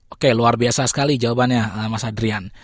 oke luar biasa sekali jawabannya mas adrian